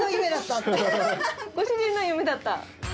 ご主人の夢だった？